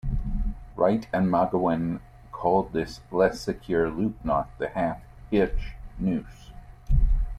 Wright and Magowan called this less secure loop knot the "half-hitch noose".